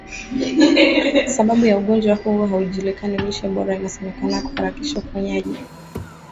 Sababu ya ugonjwa huu haijulikani lishe bora inasemekana kuharakisha uponyaji